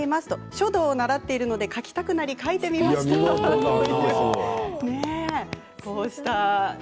書道を習っているので書きたくなって書いてしまいました。